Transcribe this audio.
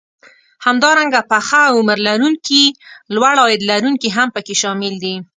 همدارنګه پخه عمر لرونکي لوړ عاید لرونکي هم پکې شامل دي